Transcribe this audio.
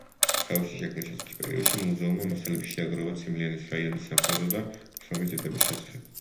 თავისი შექმნის საწყის პერიოდში, მუზეუმმა მასალები შეაგროვა ციმლიანის რაიონის სამხედრო და შრომის დიდების შესახებ.